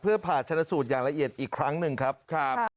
เพื่อผ่าชนะสูตรอย่างละเอียดอีกครั้งหนึ่งครับ